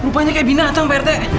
pak rt rupanya kayak binatang pak rt